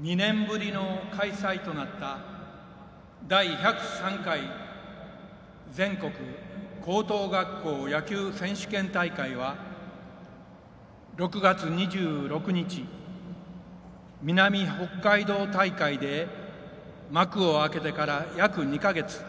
２年ぶりの開催となった第１０３回全国高等学校野球選手権大会は６月２６日、南北海道大会で幕を明けてから約２か月。